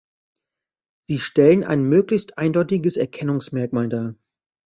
Sie stellen ein möglichst eindeutiges Erkennungsmerkmal dar.